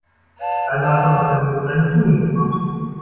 Also hat man aus der Not eine Tugend gemacht.